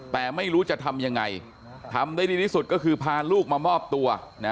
แต่ไม่รู้จะทำยังไงทำได้ดีที่สุดก็คือพาลูกมามอบตัว